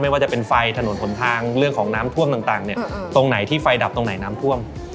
ว่าจะเป็นไฟถนนหนทางเรื่องของน้ำท่วมต่างเนี่ยตรงไหนที่ไฟดับตรงไหนน้ำท่วม